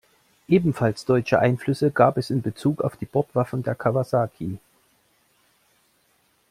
Ebenfalls deutsche Einflüsse gab es in Bezug auf die Bordwaffen der Kawasaki.